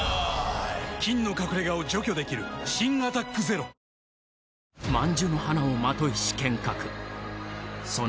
菌の隠れ家を除去できる新「アタックＺＥＲＯ」大豆麺ん？